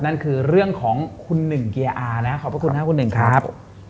นั่นคือเรื่องของคุณหนึ่งเกียร์อานะขอบพระคุณครับคุณหนึ่งครับ